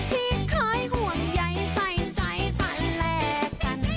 ที่คอยห่วงใยใส่ใจฝันแลกัน